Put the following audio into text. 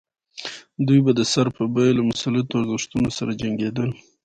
دوی به د سر په بیه له مسلطو ارزښتونو سره جنګېدل.